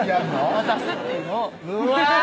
渡すっていうのをうわ！